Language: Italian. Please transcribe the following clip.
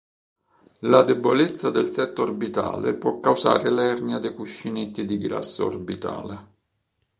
La debolezza del setto orbitale può causare l'ernia dei cuscinetti di grasso orbitale.